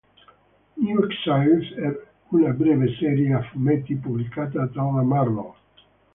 New Exiles è una breve serie a fumetti pubblicata dalla Marvel.